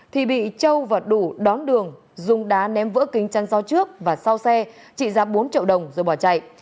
thì bị châu và đủ đón đường dùng đá ném vỡ kính chăn do trước và sau xe trị giá bốn triệu đồng rồi bỏ chạy